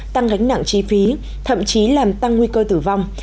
tăng gánh nặng chi phí thậm chí làm tăng nguy cơ tử vong